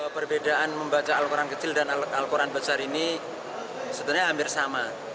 perbedaan membaca al quran kecil dan al quran besar ini sebenarnya hampir sama